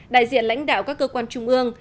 đại diện lãnh đạo các cơ quan trung ương